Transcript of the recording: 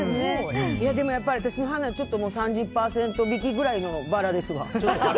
でも、やっぱり私の花は３０％引きくらいのバラですわ。